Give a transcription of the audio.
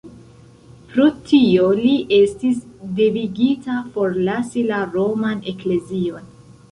Pro tio li estis devigita forlasi la roman eklezion.